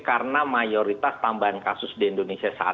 karena mayoritas tambahan kasus di indonesia